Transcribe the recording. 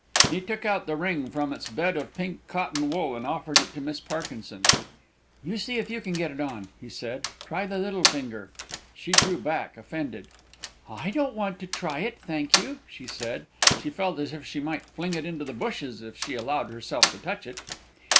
He took out the ring from its bed of pink cotton wool, and offered it to Miss Parkinson. "You see if you can get it on," he said; "try the little finger!" She drew back, offended. "I don't want to try it, thank you," she said (she felt as if she might fling it into the bushes if she allowed herself to touch it).